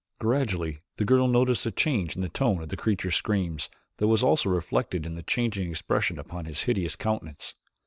Gradually the girl noticed a change in the tone of the creature's screams that was also reflected in the changing expression upon his hideous countenance.